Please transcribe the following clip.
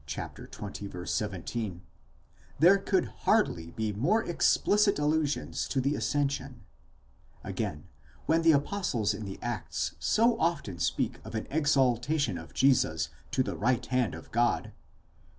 17): there could hardly be more explicit allusions to the ascension ; again, when the apostles in the Acts so often speak of an exalta tion of Jesus to the right hand of God (ii.